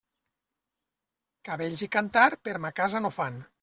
Cabells i cantar, per ma casa no fan.